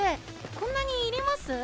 こんなにいります？